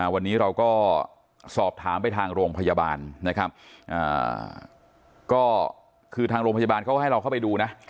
วันนี้เราก็สอบถามไปทางโรงพยาบาลนะครับก็คือทางโรงพยาบาลเขาให้เราเข้าไปดูนะ